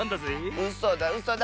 うそだうそだ。